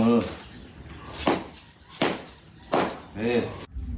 อืม